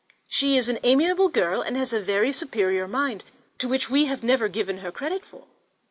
She is an amiable girl, and has a very superior mind to what we have given her credit for."